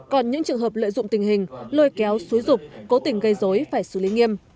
còn những trường hợp lợi dụng tình hình lôi kéo xúi rục cố tình gây dối phải xử lý nghiêm